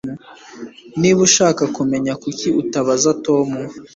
Niba ushaka kumenya kuki utabaza Tom